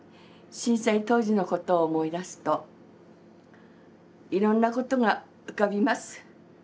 震災当時のことを思い出すといろんなことが浮かびます。